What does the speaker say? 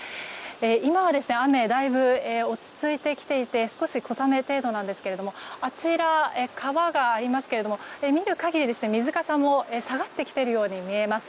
今は雨はだいぶ落ち着いてきていて小雨程度なんですが川がありますが、見る限り水かさも下がってきているように見えます。